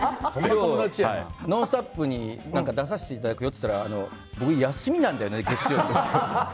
「ノンストップ！」に出させていただくよって言ったら僕、休みなんだよねって。